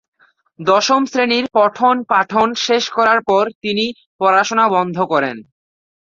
দশম শ্রেণির পঠন-পাঠন শেষ করার পর, তিনি পড়াশোনা বন্ধ করেন।